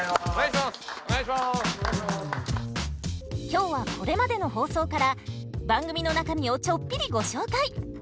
今日はこれまでの放送から番組の中身をちょっぴりご紹介。